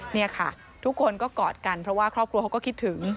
นี่ค่ะทุกคนก็กอดกันเพราะว่าครอบครัวเขาก็คิดถึง